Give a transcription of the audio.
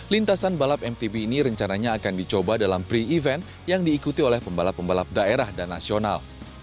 lintasan balap mtb ini rencananya akan dicoba dalam pre event yang diikuti oleh pembalap pembalap daerah dan nasional